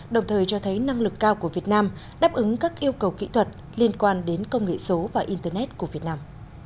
đồng thời cho thấy năng lực cao của việt nam đáp ứng các yêu cầu kỹ thuật liên quan đến công nghệ số và internet của việt nam